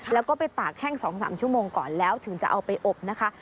แล้วก็ไปตากแห้ง๒๓ชั่วโมงก่อนแล้วถึงจะเอาไปอบนะคะ